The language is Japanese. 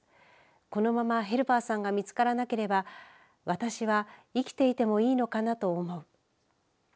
このままヘルパーさんが見つからなければ私は生きていてもいいのかなと思う。